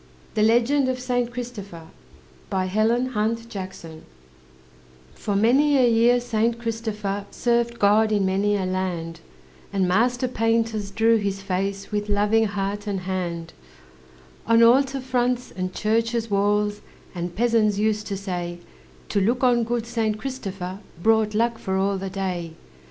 THE LEGEND OF SAINT CHRISTOPHER For many a year Saint Christopher Served God in many a land; And master painters drew his face, With loving heart and hand, On altar fronts and churches' walls; And peasants used to say, To look on good Saint Christopher Brought luck for all the day.